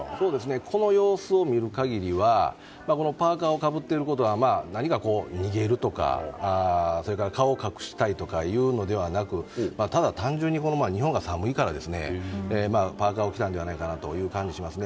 この様子を見る限りはパーカをかぶっていることは何か、逃げるとかそれから顔を隠したりではなくただ単純に日本が寒いからパーカを着たのではないかという感じがしますね。